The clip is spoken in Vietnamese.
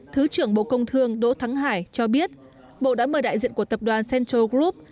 thứ trưởng bộ công thương đỗ thắng hải cho biết bộ đã mời đại diện của tập đoàn central group